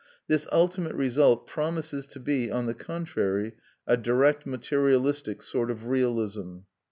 This ultimate result promises to be, on the contrary, a direct materialistic sort of realism.